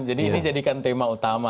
jadi ini jadikan tema utama